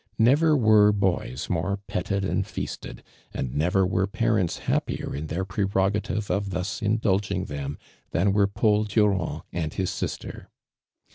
Never were boys more pette<l and feasted; iindj never were jiarents happier in their jirerogative of thus indulging them tlian were Paul Durand and bis sister.